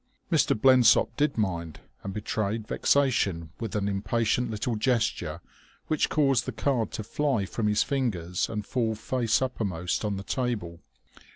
Mr. Blensop did mind, and betrayed vexation with an impatient little gesture which caused the card to fly from his fingers and fall face uppermost on the table.